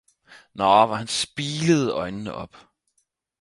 Nå, hvor han spilede øjnene op